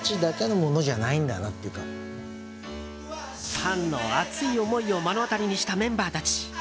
ファンの熱い思いを目の当たりにしたメンバーたち。